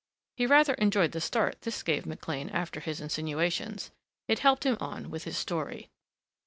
He rather enjoyed the start this gave McLean after his insinuations. It helped him on with his story.